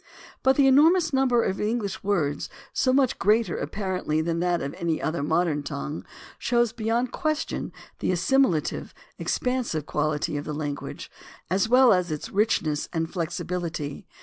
But the enormous number of English words, so much greater apparently than that of any other modern tongue, shows beyond question the assimilative, ex pansive quality of the language, as well as its richness and flexibility.